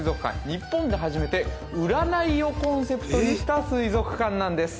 日本で初めて占いをコンセプトにした水族館なんです